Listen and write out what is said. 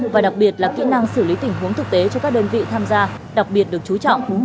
và đặc biệt là kỹ năng xử lý tình huống thực tế cho các đơn vị tham gia đặc biệt được chú trọng